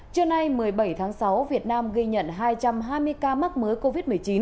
trưa nay một mươi bảy tháng sáu việt nam ghi nhận hai trăm hai mươi ca mắc mới covid một mươi chín